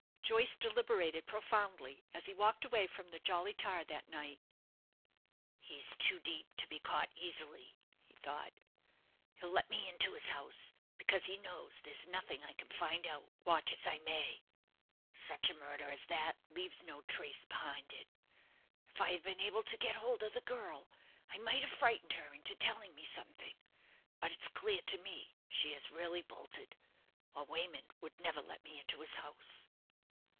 Joyce deliberated profoundly as he walked away from the 'Jolly Tar' that night. "He's too deep to be caught easily," he thought. "He'll let me into his house, because he knows there's nothing I can find out, watch as I may. Such a murder as that leaves no trace behind it. If I had been able to get hold of the girl, I might have frightened her into telling me something; but it's clear to me she has really bolted, or Wayman would never let me into his house."